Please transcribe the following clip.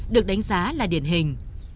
được đánh giá là điển hình